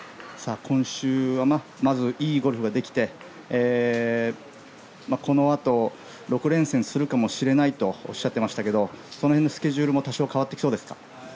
今週はまずいいゴルフができてこのあと６連戦するかもしれないとおっしゃっていましたがその辺のスケジュールも多少変わってきそうですか。